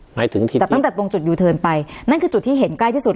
หมายถึงถิ่นแต่ตั้งแต่ตรงจุดยูเทิร์นไปนั่นคือจุดที่เห็นใกล้ที่สุด